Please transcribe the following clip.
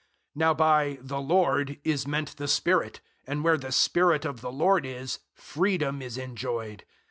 003:017 Now by "the Lord" is meant the Spirit; and where the Spirit of the Lord is, freedom is enjoyed.